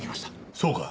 そうか。